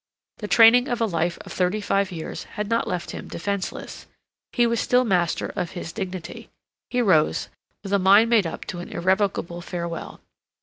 The training of a life of thirty five years had not left him defenceless; he was still master of his dignity; he rose, with a mind made up to an irrevocable farewell.